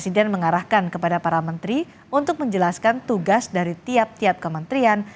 dan mengarahkan kepada para menteri untuk menjelaskan tugas dari tiap tiap kementerian